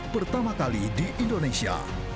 pertama kali di indonesia